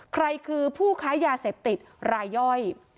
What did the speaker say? ใครคือผู้ค้ายาเสพติดรายย่อย